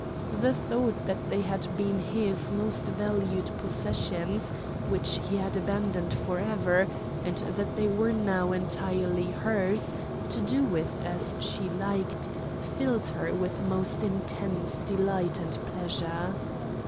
The thought that they had been his most valued possessions, which he had abandoned forever, and that they were now entirely hers, to do with as she liked, filled her with most intense delight and pleasure.